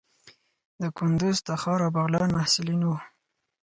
د کندوز، تخار او بغلان محصلین وو.